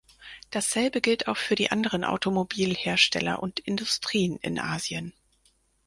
Dasselbe gilt auch für die anderen Automobilhersteller und -industrien in Asien.